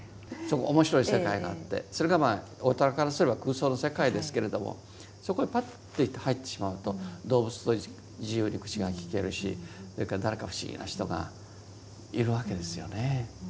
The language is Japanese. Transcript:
面白い世界があってそれが大人からすれば空想の世界ですけれどもそこへパッと行って入ってしまうと動物と自由に口がきけるしそれから誰か不思議な人がいるわけですよね。